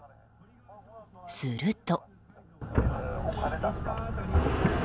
すると。